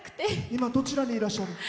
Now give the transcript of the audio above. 今、どちらにいらっしゃる？